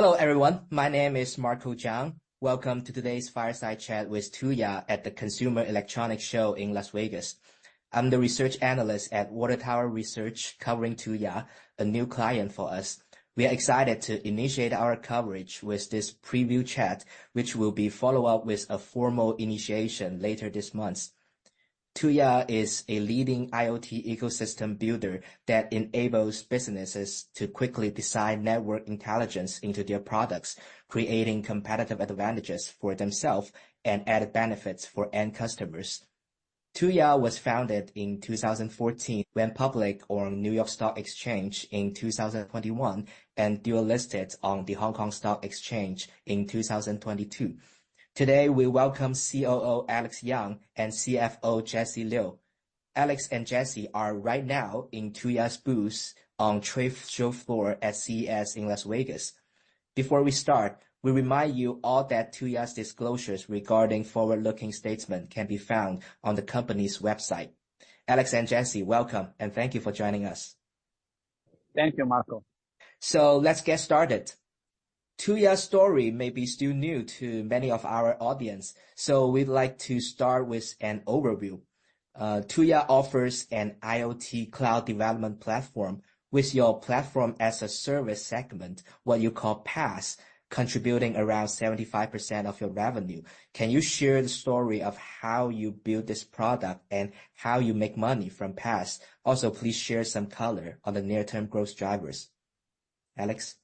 Hello everyone, my name is Marco Jiang. Welcome to today's fireside chat with Tuya at the Consumer Electronics Show in Las Vegas. I'm the research analyst at Water Tower Research, covering Tuya, a new client for us. We are excited to initiate our coverage with this preview chat, which will be followed up with a formal initiation later this month. Tuya is a leading IoT ecosystem builder that enables businesses to quickly design network intelligence into their products, creating competitive advantages for themselves and added benefits for end customers. Tuya was founded in 2014, went public on New York Stock Exchange in 2021, and dual listed on the Hong Kong Stock Exchange in 2022. Today, we welcome COO Alex Yang and CFO Jessie Liu. Alex and Jessie are right now in Tuya's booth on trade show floor at CES in Las Vegas. Before we start, we remind you all that Tuya's disclosures regarding forward-looking statements can be found on the company's website. Alex and Jessie, welcome, and thank you for joining us. Thank you, Marco. So let's get started. Tuya's story may be still new to many of our audience, so we'd like to start with an overview. Tuya offers an IoT cloud development platform with your platform-as-a-service segment, what you call PaaS, contributing around 75% of your revenue. Can you share the story of how you built this product and how you make money from PaaS? Also, please share some color on the near-term growth drivers. Alex?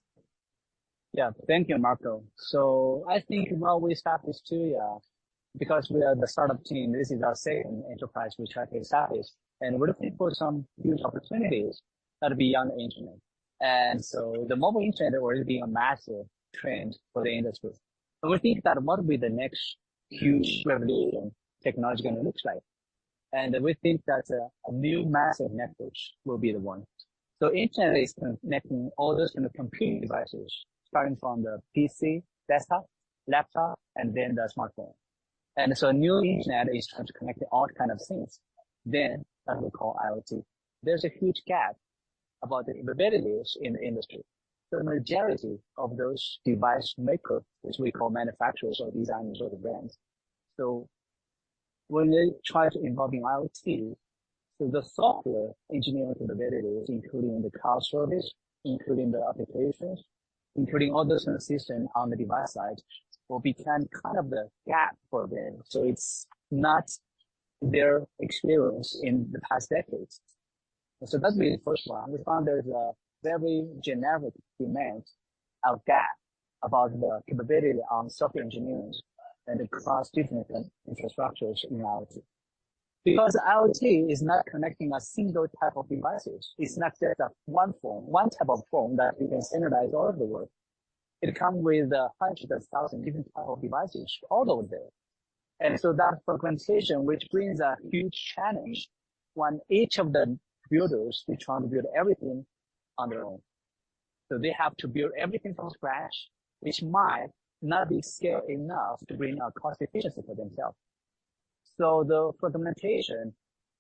Yeah. Thank you, Marco. So I think when we established Tuya, because we are the startup team, this is our second enterprise which have been established, and we're looking for some huge opportunities that are beyond the internet. And so the mobile internet will be a massive trend for the industry. But we think that what will be the next huge revolutionary technology gonna looks like? And we think that a new massive network will be the one. So internet is connecting all those in the computing devices, starting from the PC, desktop, laptop, and then the smartphone. And so a new internet is trying to connect all kind of things, then that we call IoT. There's a huge gap about the capabilities in the industry. The majority of those device makers, which we call manufacturers or designers or the brands. So when they try to involve in IoT, so the software engineering capabilities, including the cloud service, including the applications, including all those systems on the device side, will become kind of the gap for them. So it's not their experience in the past decades. So that's be the first one. We found there's a very generic demand out there about the capability on software engineering and across different infrastructures in IoT. Because IoT is not connecting a single type of devices, it's not just a one form, one type of form that you can standardize all over the world. It comes with hundreds and thousands different type of devices all over there. And so that fragmentation, which brings a huge challenge when each of the builders is trying to build everything on their own. So they have to build everything from scratch, which might not be skilled enough to bring a cost efficiency for themselves. So the fragmentation,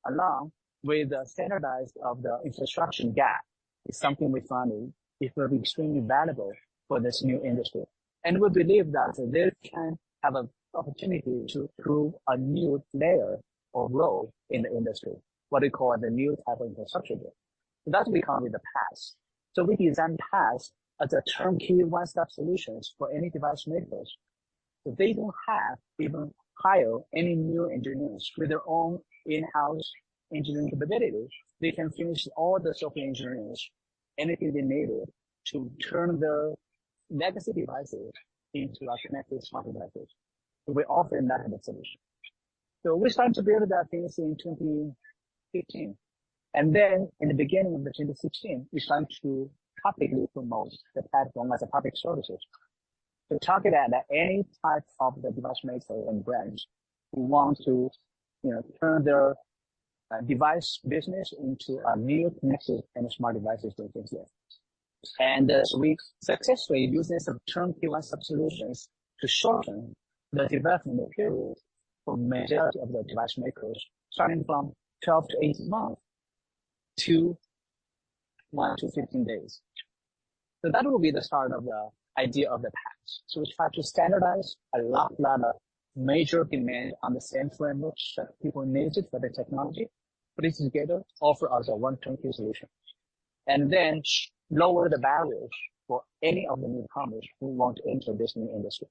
along with the standardization of the infrastructure gap, is something we found is very extremely valuable for this new industry. And we believe that this can have an opportunity to provide a new layer or role in the industry, what we call the new type of infrastructure. So that's what we call it the PaaS. So we design PaaS as a turnkey one-stop solutions for any device makers. So they don't even have to hire any new engineers. With their own in-house engineering capabilities, they can finish all the software engineering, and it will enable to turn the legacy devices into our connected smart devices. We offer them that kind of solution. So we started to build that things in 2015, and then in the beginning of 2016, we start to publicly promote the platform as a public services. To target at any type of the device maker and brands who want to, you know, turn their, device business into a new connected and smart devices business. And, so we successfully using some turnkey one-stop solutions to shorten the development period for majority of the device makers, starting from 12-18 months to 1-15 days. So that will be the start of the idea of the PaaS. So we try to standardize a lot, lot of major demand on the same framework that people need it for the technology, put it together, offer as a one turnkey solution, and then lower the barriers for any of the newcomers who want to enter this new industry.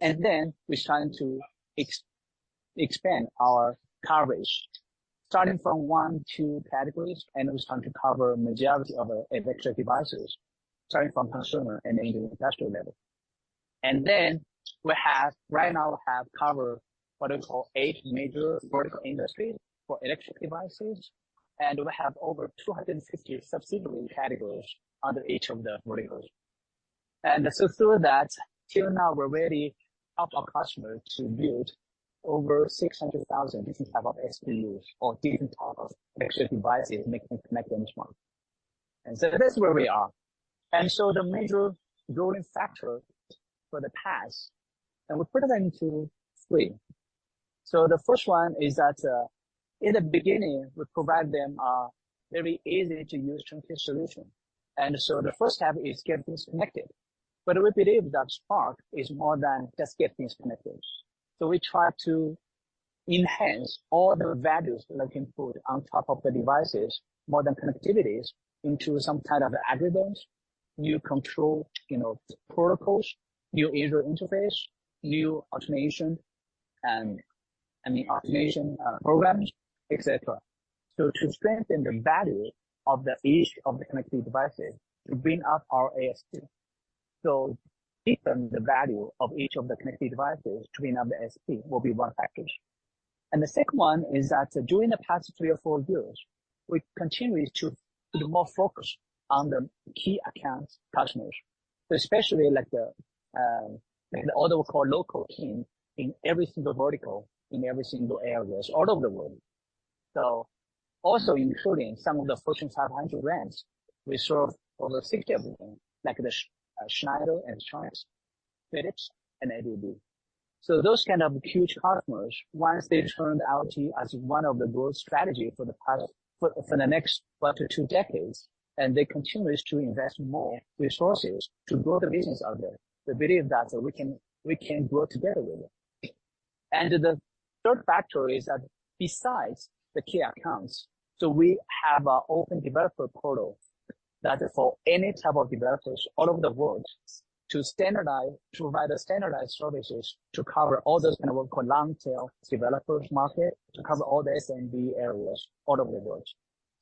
Then we're starting to expand our coverage, starting from one -two categories, and we start to cover majority of electronic devices, starting from consumer and into industrial level. We have, right now, covered what we call 8 major vertical industries for electronic devices, and we have over 260 subsidiary categories under each of the verticals. And so through that, till now, we've helped our customers to build over 600,000 different type of SPUs or different type of IoT devices, making connect them smart. That is where we are. The major growing factor for the PaaS, and we put them into three. The first one is that, in the beginning, we provide them a very easy-to-use turnkey solution. The first step is getting connected. But we believe that smart is more than just getting things connected. So we try to enhance all the values that I can put on top of the devices, more than connectivities into some kind of algorithms, new control, you know, protocols, new user interface, new automation, and, and the automation, programs, et cetera. So to strengthen the value of the each of the connected devices, to bring up our ASP. So given the value of each of the connected devices to bring up the ASP will be one package. And the second one is that during the past three or four years, we continue to be more focused on the key accounts customers, especially like the, like the other core local team in every single vertical, in every single areas all over the world. So also including some of the Fortune 500 brands, we serve over 60 of them, like the Schneider, and Philips, and ABB. So those kind of huge customers, once they turned IoT as one of the growth strategy for the product for, for the next 1-2 decades, and they continues to invest more resources to grow the business out there. We believe that we can, we can grow together with them. And the third factor is that besides the key accounts, so we have an open developer portal that is for any type of developers all over the world, to standardize, to provide a standardized services to cover all those kind of long tail developers market, to cover all the SMB areas all over the world.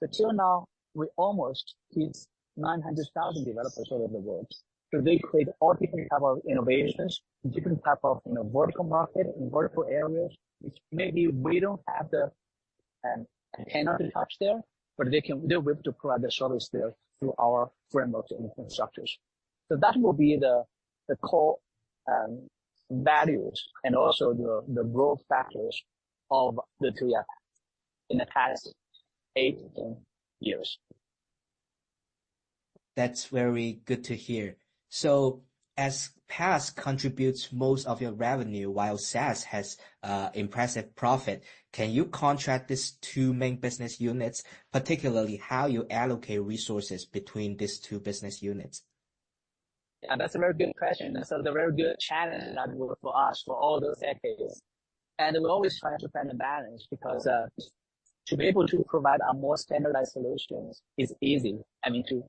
But till now, we almost hit 900,000 developers all over the world. So they create all different type of innovations and different type of, you know, vertical market in vertical areas, which maybe we don't have the, antenna to touch there, but they can deliver to provide the service there through our framework infrastructures. So that will be the, the core, values and also the, the growth factors of the Tuya in the past eight years. That's very good to hear. So as PaaS contributes most of your revenue, while SaaS has impressive profit, can you contrast these two main business units, particularly how you allocate resources between these two business units? Yeah, that's a very good question. That's a very good challenge that works for us for all those decades. And we're always trying to find a balance, because to be able to provide a more standardized solutions is easy, I mean, to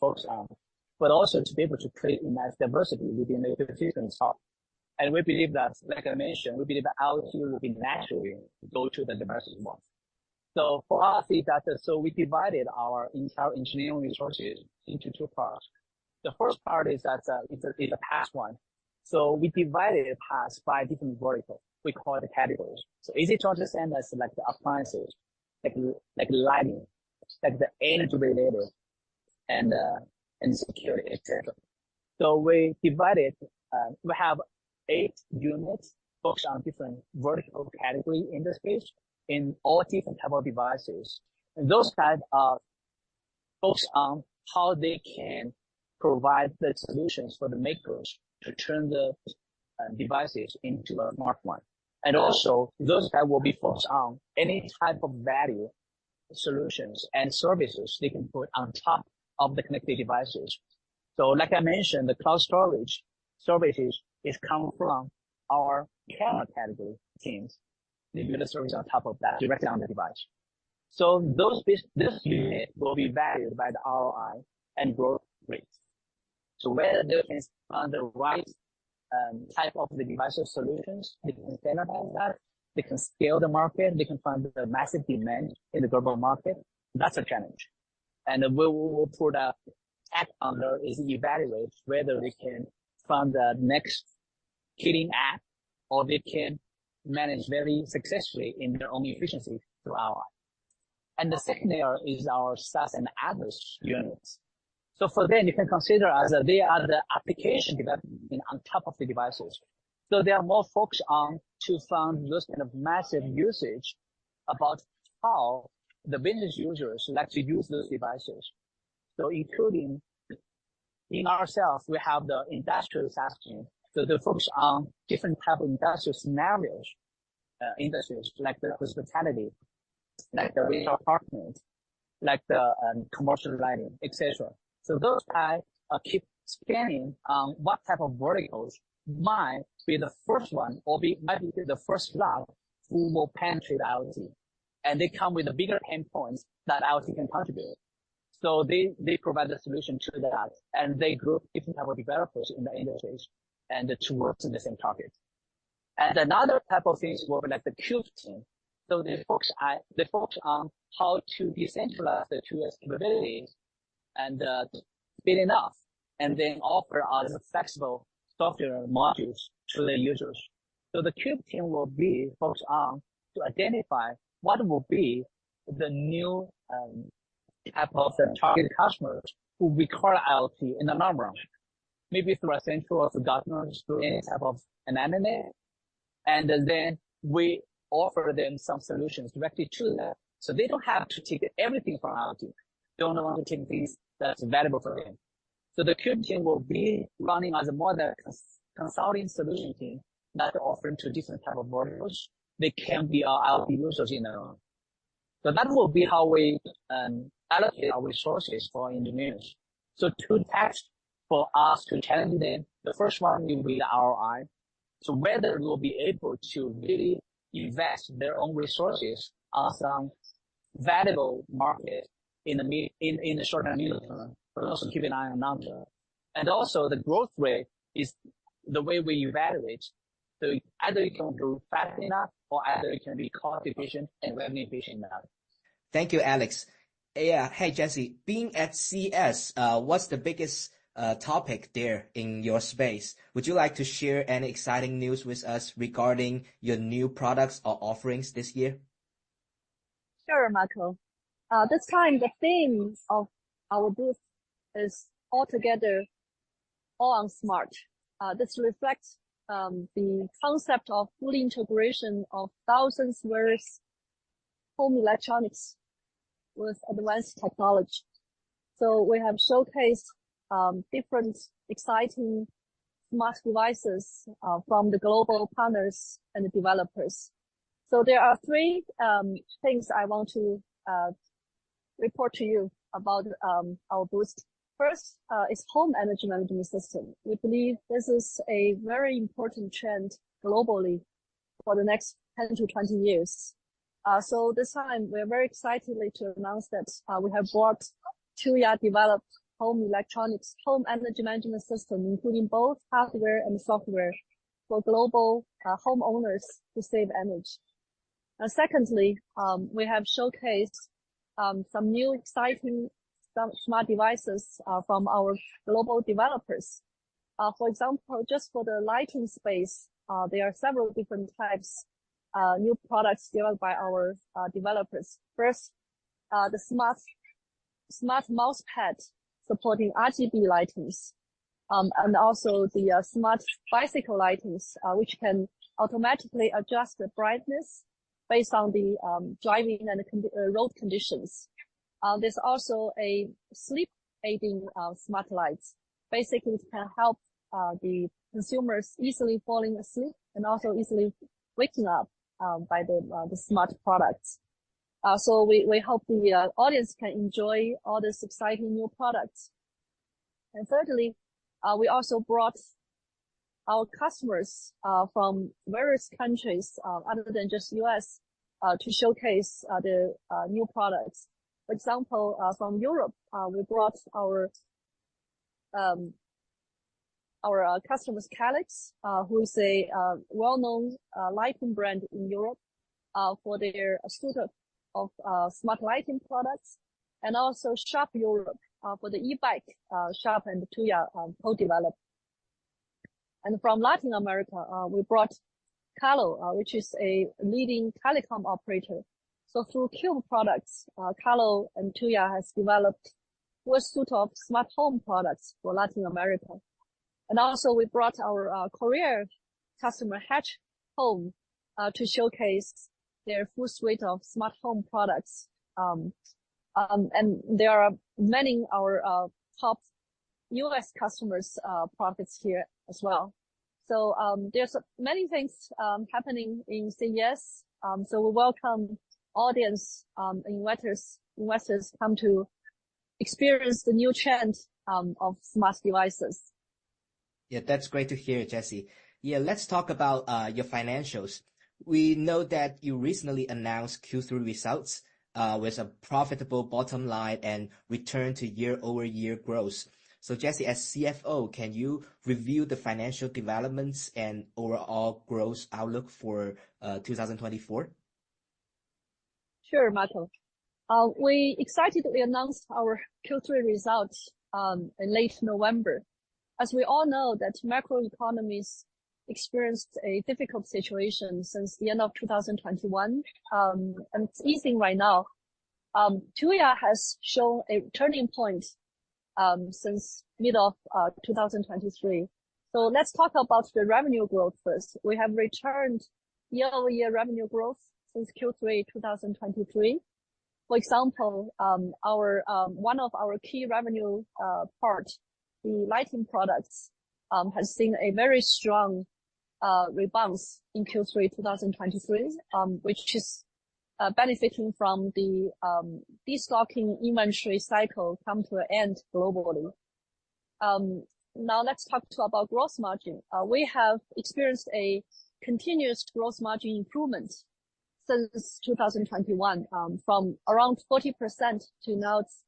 focus on, but also to be able to create enough diversity within the solution itself. And we believe that, like I mentioned, we believe IoT will naturally go to the diversity one. So for us, so we divided our entire engineering resources into two parts. The first part is a PaaS one. So we divided PaaS by different vertical, we call the categories. So easy to understand as like the appliances, like lighting, like the energy label and security, etc. So we divided, we have eight units, focused on different vertical category in the space, in all different type of devices. And those guys are focused on how they can provide the solutions for the makers to turn the devices into a smart one. And also those guys will be focused on any type of value, solutions, and services they can put on top of the connected devices. So like I mentioned, the cloud storage services is coming from our power category teams. They build a service on top of that, directly on the device. So this unit will be valued by the ROI and growth rate. So whether they can find the right type of the device or solutions, they can standardize that, they can scale the market, they can find the massive demand in the global market, that's a challenge. We will put a track on there to evaluate whether we can find the next killer app or they can manage very successfully in their own efficiency through ROI. The second layer is our SaaS and add-on units. So for them, you can consider as they are the application development on top of the devices. So they are more focused on to find those kind of massive usage about how the business users like to use those devices. So including in ourselves, we have the industrial SaaS team. So they focus on different type of industrial scenarios, industries, like the hospitality, like the retail partners, like the commercial lighting, et cetera. So those guys keep scanning on what type of verticals might be the first one or be, might be the first route who will penetrate IoT, and they come with a bigger pain points that IoT can contribute. So they, they provide a solution to that, and they group different type of developers in the industries and to work in the same target. And another type of things were like the Cube team. So they focus they focus on how to decentralize the tool's capabilities and, build enough, and then offer other flexible software modules to the users. So the Cube team will be focused on to identify what will be the new, type of the target customers who require IoT in the long run. Maybe through a central of the government, through any type of M&A, and then we offer them some solutions directly to them. So they don't have to take everything from IoT; they only want to take things that's valuable for them. So the Cube team will be running as more of a consulting solution team that offering to different type of models. They can be our RP users, you know. So that will be how we allocate our resources for engineers. So two tests for us to challenge them, the first one will be the ROI. So whether we'll be able to really invest their own resources on some valuable market in the mid, in the short and middle term, but also keep an eye on long term. And also the growth rate is the way we evaluate. Either it can grow fast enough, or either it can be cost efficient and revenue efficient enough. Thank you, Alex. Hey, Jessie, being at CES, what's the biggest topic there in your space? Would you like to share any exciting news with us regarding your new products or offerings this year? Sure, Marco. This time, the theme of our booth is Altogether, All On Smart. This reflects the concept of full integration of thousands various home electronics with advanced technology. We have showcased different exciting smart devices from the global partners and developers. There are three things I want to report to you about our booth. First is home energy management system. We believe this is a very important trend globally for the next 10-20 years. This time we are very excitedly to announce that we have brought Tuya developed home electronics, home energy management system, including both hardware and software, for global homeowners to save energy. Secondly, we have showcased some new exciting, some smart devices from our global developers. For example, just for the lighting space, there are several different types, new products developed by our developers. First, the smart mouse pad supporting RGB lighting, and also the smart bicycle lighting, which can automatically adjust the brightness based on the driving and the road conditions. There's also a sleep aiding smart lights. Basically, it can help the consumers easily falling asleep and also easily waking up by the smart products. So we hope the audience can enjoy all these exciting new products. And thirdly, we also brought our customers from various countries other than just U.S. to showcase the new products. For example, from Europe, we brought our customers, Calex, who is a well-known lighting brand in Europe, for their suite of smart lighting products, and also Sharp Europe, for the e-bike Sharp and Tuya co-developed. From Latin America, we brought Claro, which is a leading telecom operator. So through Cube products, Claro and Tuya has developed wide suite of smart home products for Latin America. And also we brought our Korean customer, Haatz, to showcase their full suite of smart home products. And there are many our top US customers products here as well. So, there's many things happening in CES. So we welcome audience investors investors come to experience the new trend of smart devices. Yeah, that's great to hear, Jessie. Yeah, let's talk about your financials. We know that you recently announced Q3 results with a profitable bottom line and return to year-over-year growth. So Jessie, as CFO, can you review the financial developments and overall growth outlook for 2024? Sure, Michael. We excitedly announced our Q3 results in late November. As we all know, that macro economies experienced a difficult situation since the end of 2021, and it's easing right now. Tuya has shown a turning point since mid of 2023. So let's talk about the revenue growth first. We have returned year-over-year revenue growth since Q3 2023. For example, our one of our key revenue part, the lighting products, has seen a very strong bounce in Q3 2023, which is benefiting from the de-stocking inventory cycle come to an end globally. Now let's talk about gross margin. We have experienced a continuous gross margin improvement since 2021, from around 40% to now it's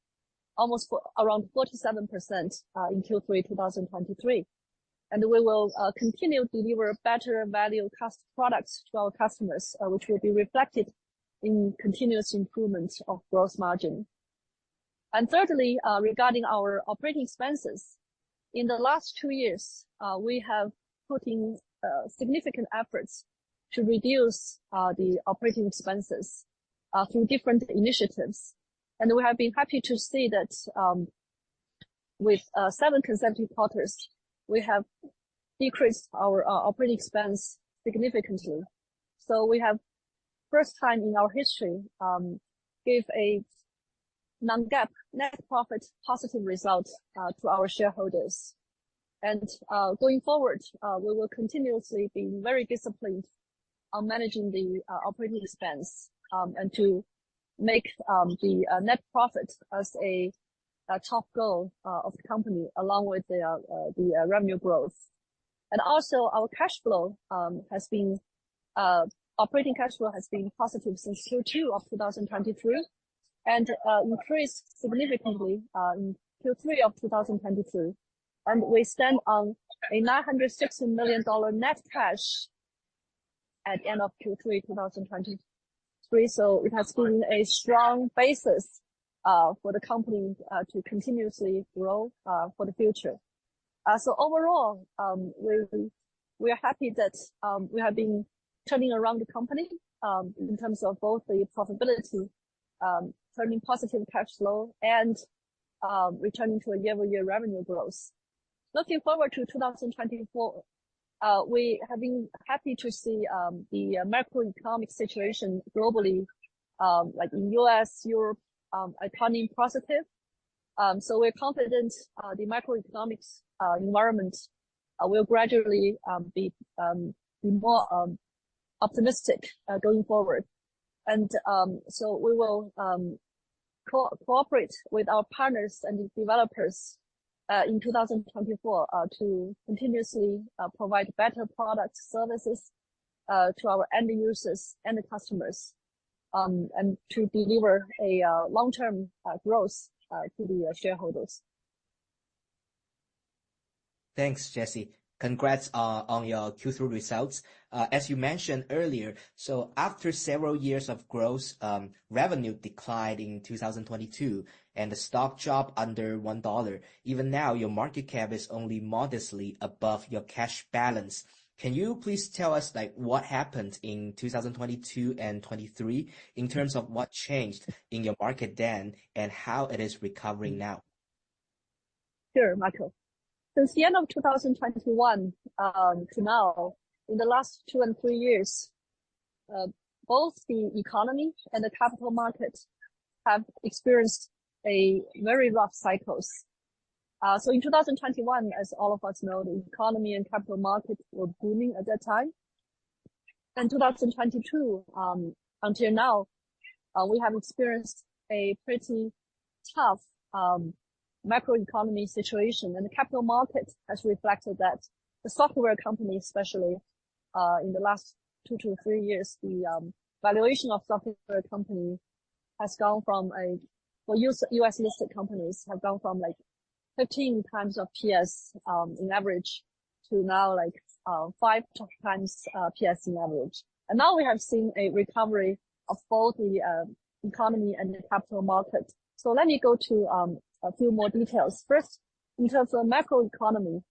almost around 47%, in Q3 2023. We will continue to deliver better value cost products to our customers, which will be reflected in continuous improvement of gross margin. Thirdly, regarding our operating expenses. In the last two years, we have put significant efforts to reduce the operating expenses through different initiatives. We have been happy to see that, with seven consecutive quarters, we have decreased our operating expense significantly. First time in our history, we gave a non-GAAP net profit positive result to our shareholders. Going forward, we will continuously be very disciplined on managing the operating expense, and to make the net profit as a top goal of the company, along with the revenue growth. Also our cash flow has been operating cash flow has been positive since Q2 of 2023, and increased significantly in Q3 of 2022. We stand on a $960 million net cash at the end of Q3 2023. It has been a strong basis for the company to continuously grow for the future. So overall, we are happy that we have been turning around the company in terms of both the profitability, turning positive cash flow and returning to a year-on-year revenue growth. Looking forward to 2024, we have been happy to see the macroeconomic situation globally, like in U.S., Europe, turning positive. So we're confident the microeconomic environment will gradually be more optimistic going forward. So we will cooperate with our partners and developers in 2024 to continuously provide better products, services to our end users and the customers and to deliver a long-term growth to the shareholders. Thanks, Jessie. Congrats on your Q3 results. As you mentioned earlier, so after several years of growth, revenue declined in 2022, and the stock dropped under $1. Even now, your market cap is only modestly above your cash balance. Can you please tell us, like, what happened in 2022 and 2023, in terms of what changed in your market then and how it is recovering now? Sure, Marco. Since the end of 2021, to now, in the last two and three years, both the economy and the capital markets have experienced a very rough cycles. So in 2021, as all of us know, the economy and capital markets were booming at that time. In 2022, until now, we have experienced a pretty tough, macroeconomy situation, and the capital market has reflected that. The software companies, especially, in the last two to three years, the valuation of software company has gone from a... For U.S., U.S.-listed companies, have gone from, like, 13 times of PS, in average, to now, like, 5 times, PS in average. And now we have seen a recovery of both the economy and the capital market. So let me go to a few more details. First, in terms of macroeconomy,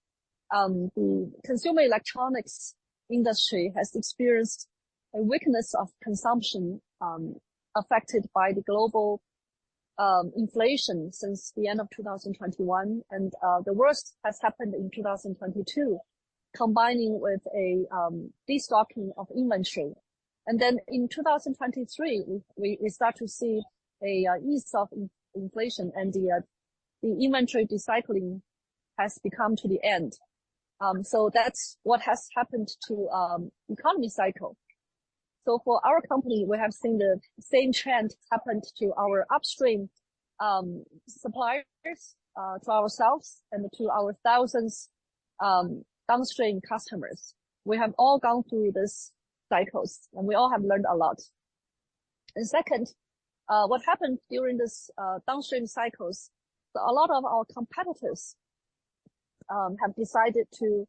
the consumer electronics industry has experienced a weakness of consumption, affected by the global inflation since the end of 2021, and the worst has happened in 2022, combining with a destocking of inventory. And then in 2023, we start to see a ease of inflation and the inventory decycling has become to the end. So that's what has happened to economy cycle. So for our company, we have seen the same trend happened to our upstream suppliers to ourselves and to our thousands downstream customers. We have all gone through this cycles, and we all have learned a lot. Second, what happened during this downstream cycles, a lot of our competitors have decided to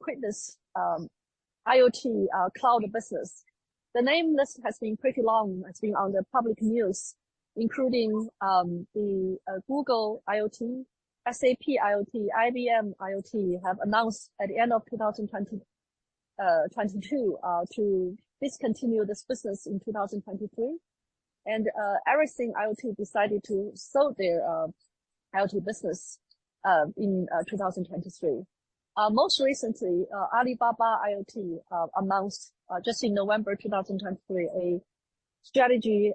quit this IoT cloud business. The name list has been pretty long. It's been on the public news, including the Google IoT, SAP IoT, IBM IoT have announced at the end of 2022 to discontinue this business in 2023. And Ericsson IoT decided to sell their IoT business in 2023. Most recently, Alibaba IoT announced just in November 2023 a strategy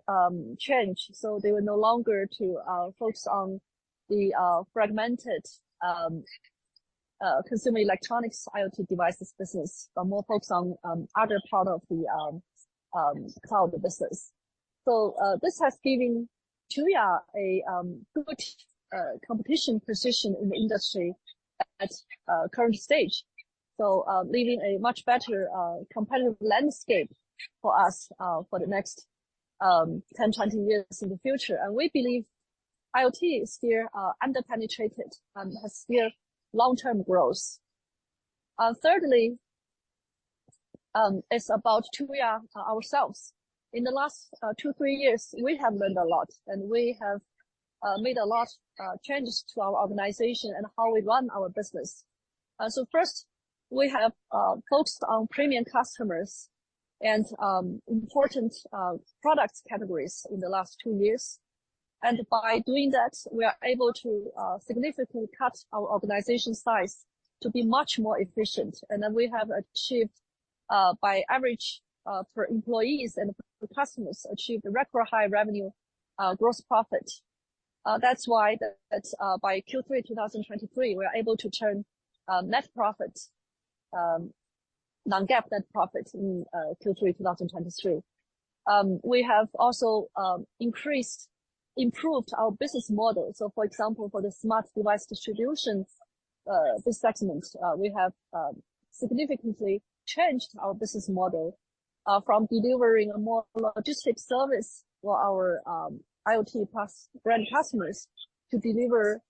change, so they were no longer to focus on the fragmented consumer electronics IoT devices business, but more focused on other part of the cloud business. This has given Tuya a good competitive position in the industry at current stage, so leaving a much better competitive landscape for us for the next 10-20 years in the future. We believe IoT is still under-penetrated and has still long-term growth. Thirdly, it's about Tuya ourselves. In the last 2-3 years, we have learned a lot, and we have made a lot changes to our organization and how we run our business. So first, we have focused on premium customers and important product categories in the last 2 years. And by doing that, we are able to significantly cut our organization size to be much more efficient. Then we have achieved, by average per employees and per customers, achieved a record high revenue, gross profit. That's why by Q3 2023, we are able to turn net profits, Non-GAAP net profits in Q3 2023. We have also increased, improved our business model. So for example, for the smart device distribution, this segment, we have significantly changed our business model, from delivering a more logistic service for our IoT plus brand customers, to deliver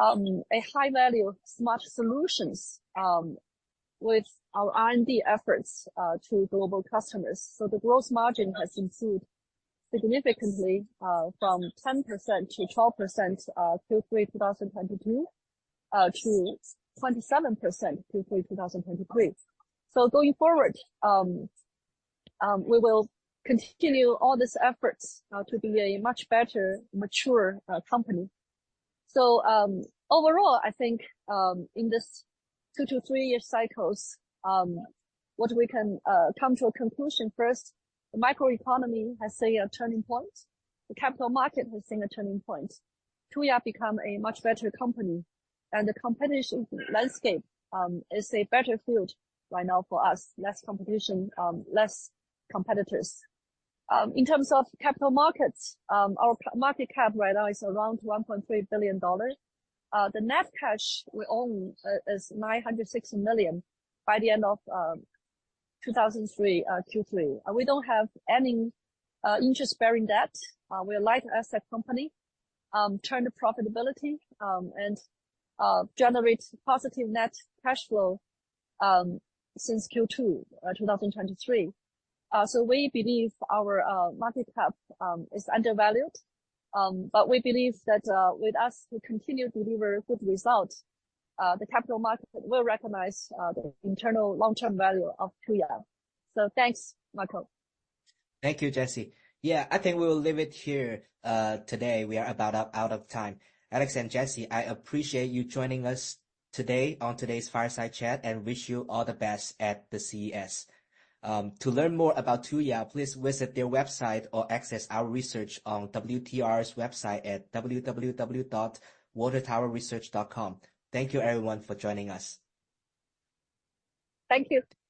a high value smart solutions with our R&D efforts to global customers. So the gross margin has improved significantly, from 10% to 12% Q3 2022 to 27% Q3 2023. So going forward, we will continue all these efforts to be a much better, mature company. So, overall, I think, in this 2- to 3-year cycles, what we can come to a conclusion first, the microeconomy has seen a turning point. The capital market has seen a turning point. Tuya become a much better company, and the competition landscape is a better field right now for us. Less competition, less competitors. In terms of capital markets, our market cap right now is around $1.3 billion. The net cash we own is $960 million by the end of 2023 Q3. We don't have any interest-bearing debt. We are a light asset company, turn to profitability, and generate positive net cash flow since Q2 2023. So we believe our market cap is undervalued. But we believe that, with us, we continue to deliver good results, the capital market will recognize the internal long-term value of Tuya. So thanks, Marco. Thank you, Jessie. Yeah, I think we will leave it here, today. We are about out of time. Alex and Jessie, I appreciate you joining us today on today's Fireside Chat, and wish you all the best at the CES. To learn more about Tuya, please visit their website or access our research on WTR's website at www.watertowerresearch.com. Thank you, everyone, for joining us. Thank you.